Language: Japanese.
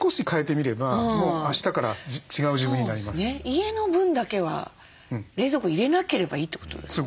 家の分だけは冷蔵庫入れなければいいってことですよね。